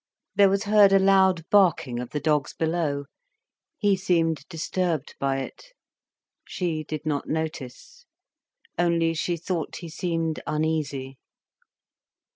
There was heard a loud barking of the dogs below. He seemed disturbed by it. She did not notice. Only she thought he seemed uneasy.